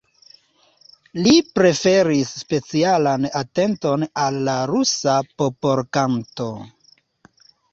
Li preferis specialan atenton al la rusa popolkanto.